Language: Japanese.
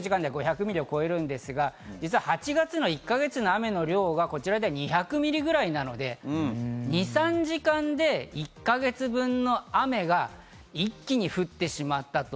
３時間で３００ミリ、２４時間では５００ミリを超えるんですが、実は８月の１か月の雨の量がこちらでは２００ミリぐらいなので２３時間で１か月分の雨が一気に降ってしまった。